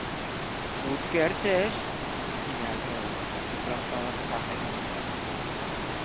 Үткер теш... — тине Акела, тупраҡтағы бысаҡ эҙен еҫкәп.